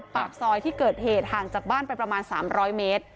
ปากซอยที่เกิดเหตุห่างจากบ้านไปประมาณ๓๐๐เมตร